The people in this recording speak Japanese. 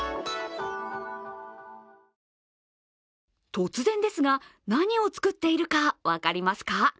突然ですが、何をつくっているか分かりますか？